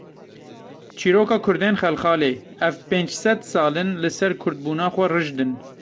Çîroka Kurdên Xelxalê; ev pênc sed sal in li ser Kurdbûna xwe rijd in.